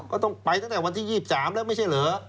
ก็ต้องไปตั้งแต่วันที่๒๓แล้วไม่ใช่เหรอ